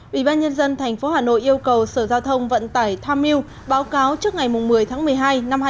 ủy ban nhân dân tp hà nội yêu cầu sở giao thông vận tải tham mưu báo cáo trước ngày một mươi tháng một mươi hai năm hai nghìn hai mươi